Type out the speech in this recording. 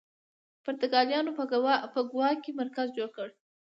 پرتګالیانو په ګوا کې مرکز جوړ کړ.